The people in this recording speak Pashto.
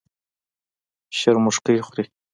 شرموښکۍ خوري.